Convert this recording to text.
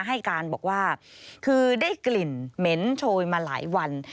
ให้การบอกว่าคือได้กลิ่นเหม็นโชยมาหลายวัน